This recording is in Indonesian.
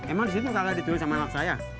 emang disitu kalah ditulis sama anak saya